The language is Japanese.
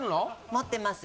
持ってます。